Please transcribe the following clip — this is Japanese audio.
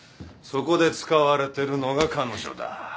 そこで使われてるのが彼女だ。